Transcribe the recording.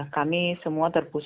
kami semua terpaksa